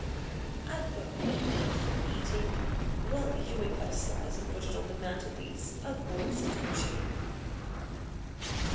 'I've got no mind for eating. Well, you may cut a slice and put it on the mantelpiece. I'll go and sit with Jane.